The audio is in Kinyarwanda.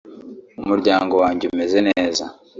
umuryango wanjye umeze neza